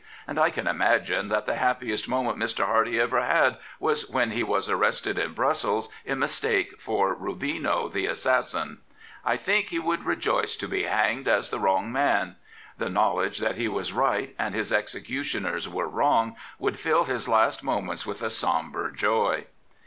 And I can imagine that the happiest moment Mr. Hardie ever had was when he was arrested jn prussels in mistake for Rubino, the ^fesj^sim ithink he would rejoice to be hanged as the wrong man. The knowledge that he was right and his executioners were wrong would fill his last moments with a sombre joy.